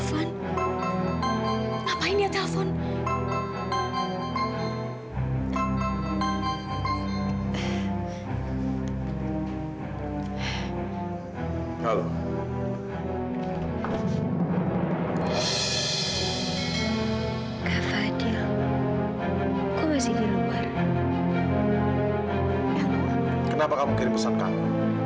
kenapa kamu kirim pesan kamu